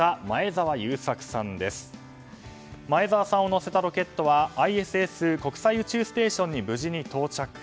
前澤さんを乗せたロケットはＩＳＳ・国際宇宙ステーションに無事に到着。